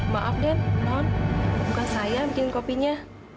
maaf den non bukan saya yang bikinin kopinya